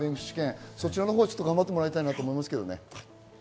そちらのほう頑張ってもらいたいなと思います。